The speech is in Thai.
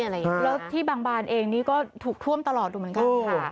แล้วที่บางบานเองนี่ก็ถูกท่วมตลอดอยู่เหมือนกันค่ะ